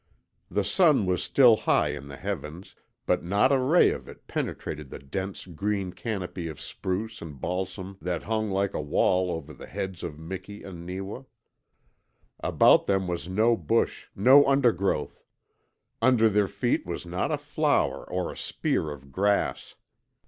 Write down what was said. The sun was still high in the heavens, but not a ray of it penetrated the dense green canopy of spruce and balsam that hung like a wall over the heads of Miki and Neewa. About them was no bush, no undergrowth; under their feet was not a flower or a spear of grass.